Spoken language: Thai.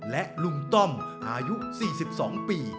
และลุงต้อมอายุ๔๒ปี